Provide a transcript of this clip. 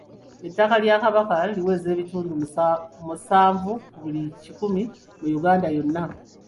Ettaka lya Kabaka liweza ebitundu musanvu ku buli kikumi mu Uganda yonna.